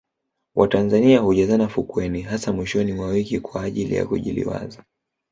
watanzania hujazana fukweni hasa mwishoni mwa wiki kwa ajili ya kujiliwaza